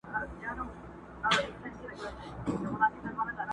نه سل سرى اژدها په گېډه موړ سو٫